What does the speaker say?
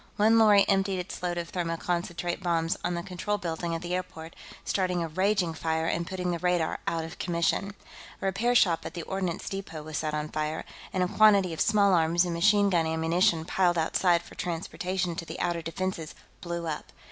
One lorry emptied its load of thermoconcentrate bombs on the control building at the airport, starting a raging fire and putting the radar out of commission. A repair shop at the ordnance depot was set on fire, and a quantity of small arms and machine gun ammunition piled outside for transportation to the outer defenses blew up.